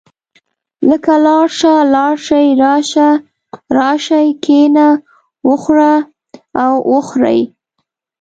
لکه لاړ شه، لاړ شئ، راشه، راشئ، کښېنه، وخوره او وخورئ.